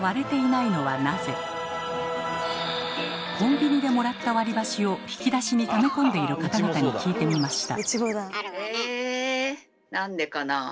コンビニでもらった割り箸を引き出しにため込んでいる方々に聞いてみました。